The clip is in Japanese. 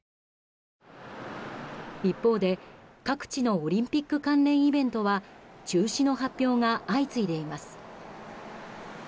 一方で、各地のオリンピック関連イベントは中止の発表が相次いでいます。